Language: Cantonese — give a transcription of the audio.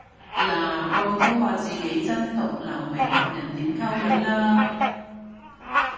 嗱個個都話自己真毒留名學人點溝女啦